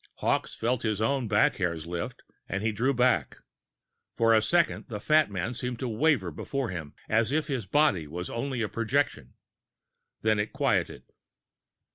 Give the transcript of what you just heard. Hawkes felt his own back hairs lift, and he drew back. For a second, the fat man seemed to waver before him, as if his body was only a projection. Then it quieted.